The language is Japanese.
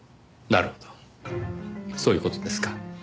なるほどそういう事ですか。